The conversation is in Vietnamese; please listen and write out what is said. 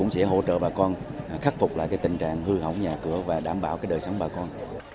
sẽ hỗ trợ bà con khắc phục lại tình trạng hư hỏng nhà cửa và đảm bảo đời sống bà con